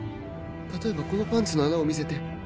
例えばこのパンツの穴を見せて